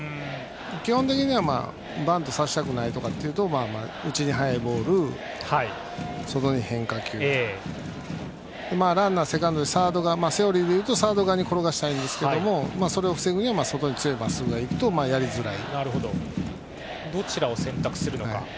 基本的にはバントさせたくないとなると内に速いボール、外に変化球ランナー、セカンドにいるのでセオリーでいうとサード側に転がしたいですがそれを防ぐには外へ強いまっすぐが来るとやりづらい。